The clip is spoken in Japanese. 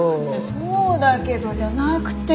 「そうだけど」じゃなくて。